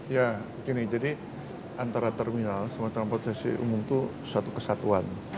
ya begini jadi antara terminal sama transportasi umum itu suatu kesatuan